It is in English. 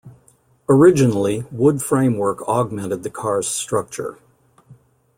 Originally, wood framework augmented the car's structure.